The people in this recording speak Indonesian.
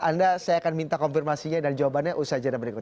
anda saya akan minta konfirmasinya dan jawabannya usaha jadwal berikut